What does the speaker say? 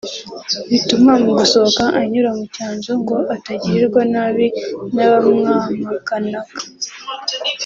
bituma mu gusohoka anyura mu cyanzu ngo atagirirwa nabi n’ abamwamaganaga